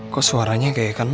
kok suaranya kayak kenal ya